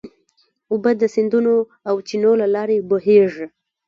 اوبه د سیندونو او چینو له لارې بهېږي.